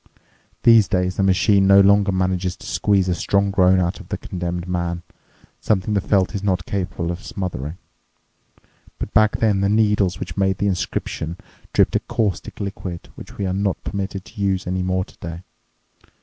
These days the machine no longer manages to squeeze a strong groan out of the condemned man—something the felt is not capable of smothering. But back then the needles which made the inscription dripped a caustic liquid which we are not permitted to use any more today.